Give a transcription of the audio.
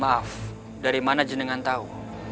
maaf dari mana jenengan tahu